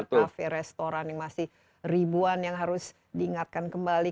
kafe restoran yang masih ribuan yang harus diingatkan kembali